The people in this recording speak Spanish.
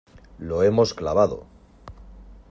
¡ lo hemos clavado!